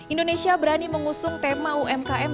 indonesia berani mengusung tema umkm